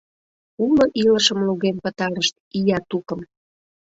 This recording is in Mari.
Уло илышым луген пытарышт, ия тукым!